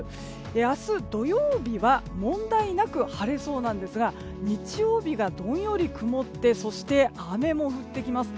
明日、土曜日は問題なく晴れそうなんですが日曜日がどんより曇ってそして雨も降ってきます。